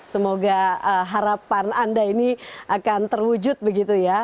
semoga harapan anda ini akan terwujud begitu ya